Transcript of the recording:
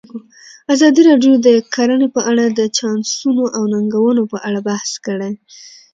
ازادي راډیو د کرهنه په اړه د چانسونو او ننګونو په اړه بحث کړی.